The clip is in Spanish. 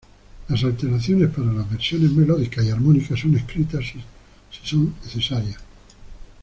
Las alteraciones para las versiones melódicas y armónicas son escritas si son necesarias.